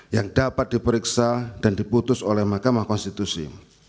yang dapat diperiksa dan diputus oleh mahkamah konstitusi